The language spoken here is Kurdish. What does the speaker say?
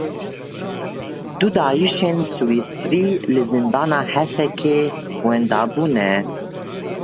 Du Daişiyên Swîsrî li zindana Hesekê wenda bûne.